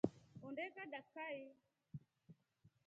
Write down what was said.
Ondee kaa dakikai.